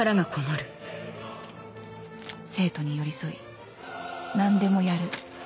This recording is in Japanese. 「生徒に寄り添い何でもやる」